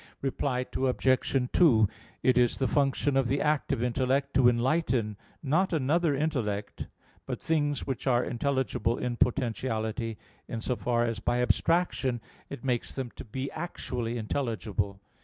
Reply Obj. 2: It is the function of the active intellect to enlighten, not another intellect, but things which are intelligible in potentiality, in so far as by abstraction it makes them to be actually intelligible.